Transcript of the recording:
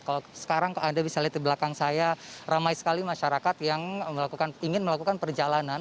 kalau sekarang anda bisa lihat di belakang saya ramai sekali masyarakat yang ingin melakukan perjalanan